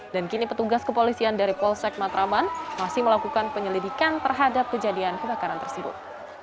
dan kini petugas kepolisian dari polsek matraman masih melakukan penyelidikan terhadap kejadian kebakaran tersebut